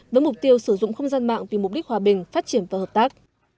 với mục tiêu sử dụng không gian mạng vì mục đích hòa bình phát triển và hợp tác